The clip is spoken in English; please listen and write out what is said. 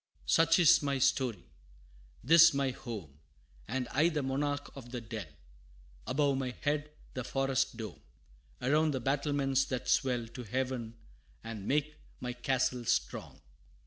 XVI. "Such is my story this my home, And I the monarch of the dell Above my head, the forest dome, Around, the battlements that swell To heaven, and make my castle strong.